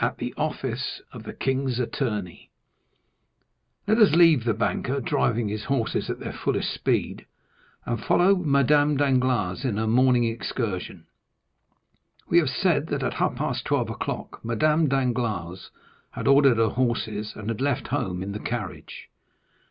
The Office of the King's Attorney Let us leave the banker driving his horses at their fullest speed, and follow Madame Danglars in her morning excursion. We have said that at half past twelve o'clock Madame Danglars had ordered her horses, and had left home in the carriage.